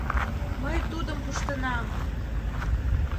Мый тудым пуштынам!